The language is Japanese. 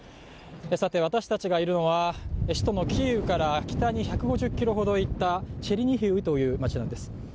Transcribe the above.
さて、私たちがいるのは首都のキーウから北に１００ｋｍほど行ったチェルニヒウという街なんです。